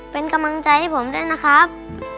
เป็นกำลังใจให้ผมด้วยนะครับ